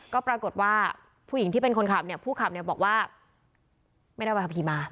ก็ปรากฏว่าผู้หญิงที่เป็นคนขับเนี่ยผู้ขับเนี่ยบอกว่าไม่ได้ใบขับขี่มา